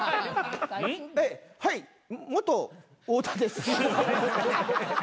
ええはい元太田です。